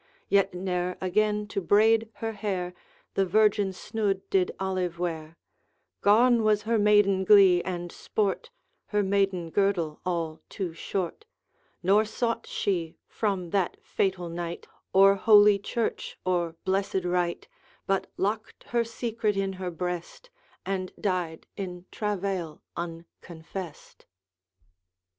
Yet ne'er again to braid her hair The virgin snood did Alive wear; Gone was her maiden glee and sport, Her maiden girdle all too short, Nor sought she, from that fatal night, Or holy church or blessed rite But locked her secret in her breast, And died in travail, unconfessed.